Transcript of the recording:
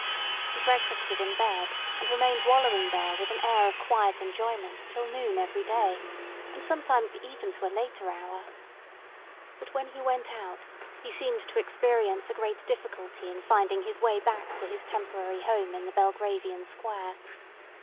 He breakfasted in bed, and remained wallowing there with an air of quiet enjoyment till noon every day—and sometimes even to a later hour. But when he went out he seemed to experience a great difficulty in finding his way back to his temporary home in the Belgravian square.